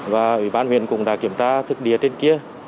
và ubnd cũng đã kiểm tra thức đĩa trên kia